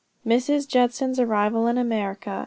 MRS. JUDSON'S ARRIVAL IN AMERICA.